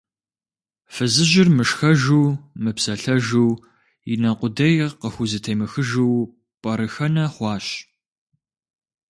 Фызыжьыр мышхэжу, мыпсэлъэжу, и нэ къудей къыхузэтемыхыжу пӀэрыхэнэ хъуащ.